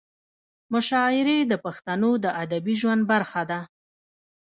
مشاعرې د پښتنو د ادبي ژوند برخه ده.